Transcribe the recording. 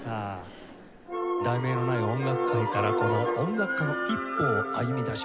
『題名のない音楽会』からこの音楽家の一歩を歩みだしました。